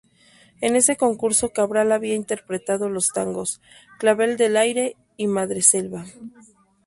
En ese concurso Cabral había interpretado los tangos "Clavel del aire" y "Madreselva".